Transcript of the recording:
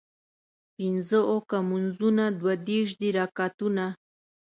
پينځۀ اوکه مونځونه دوه دېرش دي رکعتونه